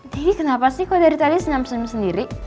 dedi kenapa sih kau dari tadi senam senam sendiri